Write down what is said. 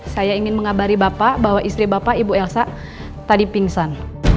saya ingin mengabari bapak bahwa istri bapak ibu elsa tadi pingsan